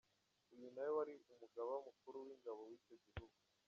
Uyu ni na we wari umugaba mukuru w’ingabo w’icyo gihugu.